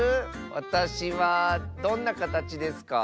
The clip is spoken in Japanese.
わたしはどんなかたちですか？